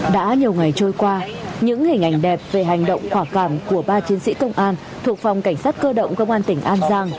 đã nhiều ngày trôi qua những hình ảnh đẹp về hành động quả cảm của ba chiến sĩ công an thuộc phòng cảnh sát cơ động công an tỉnh an giang